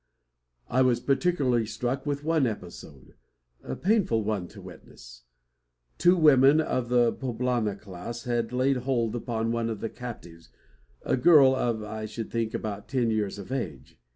I was particularly struck with one episode a painful one to witness. Two women of the poblana class had laid hold upon one of the captives, a girl of, I should think, about ten years of age.